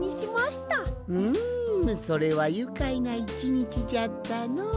うんそれはゆかいな１にちじゃったのう。